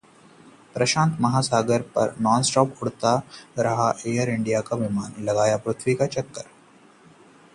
प्रशांत महासागर पर नॉनस्टॉप उड़ता रहा एअर इंडिया का विमान, लगाया पृथ्वी का चक्कर